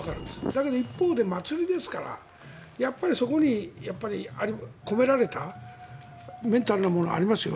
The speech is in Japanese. だけど一方で祭りですからやっぱりそこに込められたメンタルなものがありますよ。